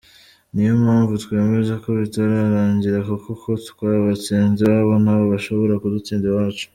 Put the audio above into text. Niyo mpamvu twemeza ko bitararangira kuko uko twabatsinze iwabo nabo bashobora kudutsinda iwacu.